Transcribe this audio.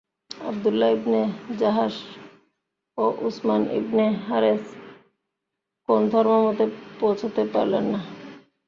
Abdullah ibn Jahsh ও Usman ibn Haris কোন ধর্মমতে পৌঁছতে পারলেন না।